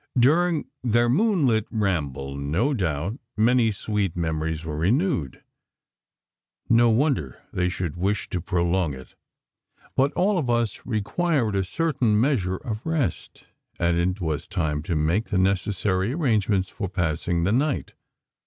During their moonlit ramble, no doubt, many sweet memories were renewed. No wonder they should wish to prolong it. But all of us required a certain measure of rest; and it was time to make the necessary arrangements for passing the night.